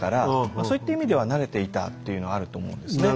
そういった意味では慣れていたっていうのはあると思うんですね。